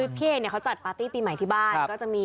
เพียนจัดปาร์ตี้ปีใหม่ที่บ้าน